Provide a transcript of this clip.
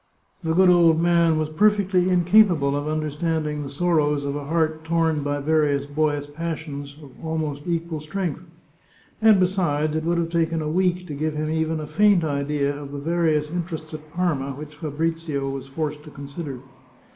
The good old man was perfectly incapable of understanding the sorrows of a heart torn by various i6o The Chartreuse of Parma boyish passions of almost equal strength; and besides, it would have taken a week to give him even a faint idea of the various interests at Parma which Fabrizio was forced to consider.